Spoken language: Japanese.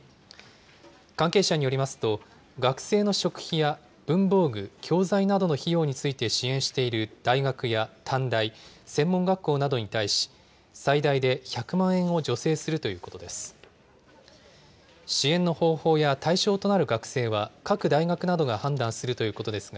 関係者によりますと、学生の食費や文房具、教材などの費用について支援している大学や短大、専門学校などに対し、最大で１００万円を助成するということです。